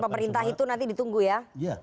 pemerintah itu nanti ditunggu ya